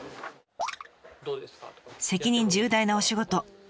責任重大なお仕事。